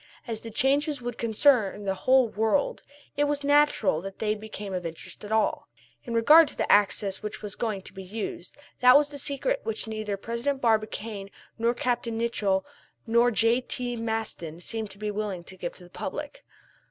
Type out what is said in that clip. As the changes would concern the whole world it was natural that they became of interest to all. In regard to the new axis which was going to be used that was the secret which neither President Barbicane nor Capt. Nicholl nor J.T. Maston seemed to be willing to give to the public.